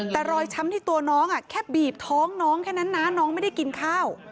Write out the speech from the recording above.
แต่รอยช้ำที่ตัวน้องแค่บีบท้องน้องแค่นั้นนะน้องไม่ได้กินข้าว